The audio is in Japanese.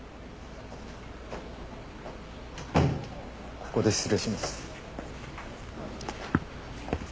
ここで失礼します。